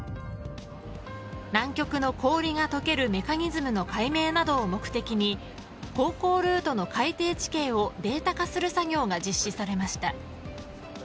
南極の氷がとけるメカニズムの解明などを目的に航行ルートの海底地形をデータ化する作業が実施されました。